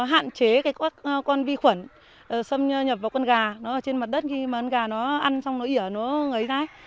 hạn chế con vi khuẩn xâm nhập vào con gà nó ở trên mặt đất khi mà con gà nó ăn xong nó ỉa nó ngấy rái